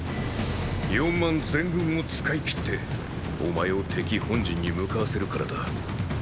四万全軍を使いきってお前を敵本陣に向かわせるからだ。